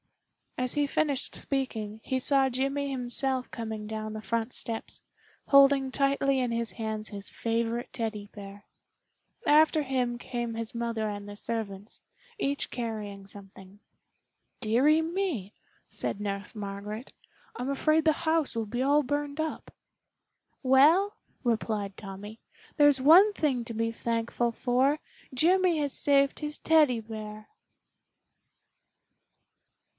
As he finished speaking he saw Jimmy himself coming down the front steps, holding tightly in his hands his favorite Teddy bear. After him came his mother and the servants, each carrying something. "Dearie me!" said Nurse Margaret, "I'm afraid the house will be all burned up." "Well," replied Tommy, "there's one thing to be thankful for, Jimmy has saved his Teddy bear."